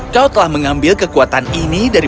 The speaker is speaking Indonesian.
kau telah mengambil kekuatan ini dari